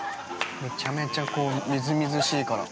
めちゃめちゃ、みずみずしいから。